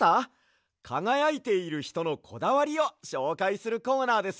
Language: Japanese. かがやいているひとのこだわりをしょうかいするコーナーですよ。